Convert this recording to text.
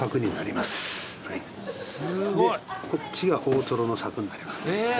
でこっちが大トロの柵になります。